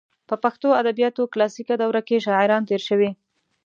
په پښتو ادبیاتو کلاسیکه دوره کې شاعران تېر شوي.